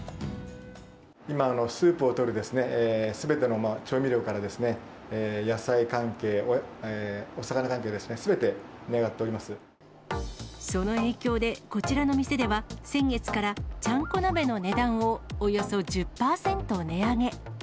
今、スープをとるすべての調味料から、野菜関係、お魚関係ですね、その影響で、こちらの店では、先月からちゃんこ鍋の値段を、およそ１０％値上げ。